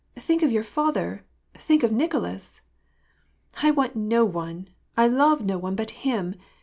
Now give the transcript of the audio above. Think of your father, think of Nicolas." " I want no one, I love no one but him